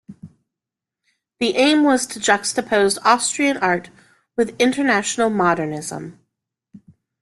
The aim was to juxtapose Austrian art with international modernism.